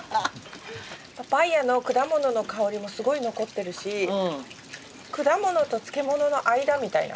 パパイアの果物の香りもすごい残ってるし果物と漬物の間みたいな。